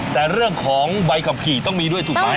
แต่เรื่องของใบขับขี่ต้องมีด้วยถูกไหม